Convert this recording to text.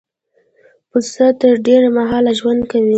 پسه تر ډېره مهاله ژوند کوي.